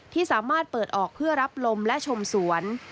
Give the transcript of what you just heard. ที่สามารถเปิดออกเพื่อรับลมและชมสวน